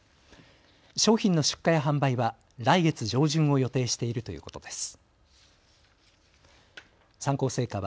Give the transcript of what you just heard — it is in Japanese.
商品の出荷や販売は来月上旬を予定しているということです。